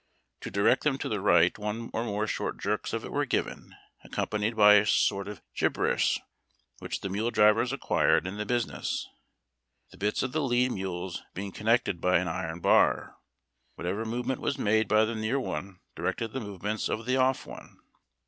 To direct them to the right one or more short jerks of it were given, accompanied by a sort of gibberish which the mule drivers acquired in the business. The bits of the lead mules being connected by an iron bar, whatever movement was made by the near one directed the movements of the off one.